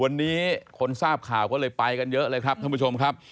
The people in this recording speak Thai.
วันนี้คนทราบข่าวก็เลยไปกันเยอะเลยครับท่านผู้ชมครับ